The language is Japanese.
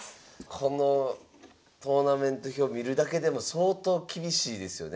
このトーナメント表見るだけでも相当厳しいですよね。